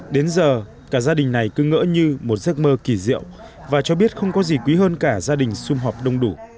đến giờ cả gia đình này cứ ngỡ như một giấc mơ kỳ diệu và cho biết không có gì quý hơn cả gia đình xung họp đông đủ